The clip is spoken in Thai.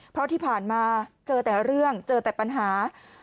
เพราะที่ผ่านมาเจอแต่เรื่องเจอแต่ปัญหา